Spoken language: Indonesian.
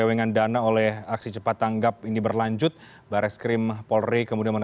wadir tipideksus barai skrim polri